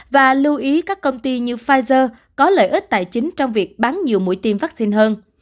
và lưu ý các công ty như pfizer có lợi ích tài chính trong việc bán nhiều mũi tiêm vaccine hơn